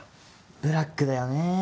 ブラックだよね。